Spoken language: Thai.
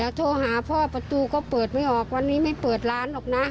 อ่านหนังสือพรีมมั่งอะไรมั่ง